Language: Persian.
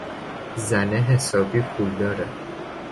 زنه حسابی پولداره!